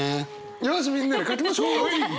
よしみんな書きましょう！